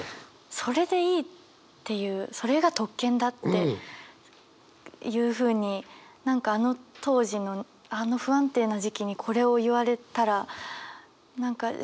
それでいいっていうそれが特権だっていうふうに何かあの当時のあの不安定な時期にこれを言われたらそうなのよね。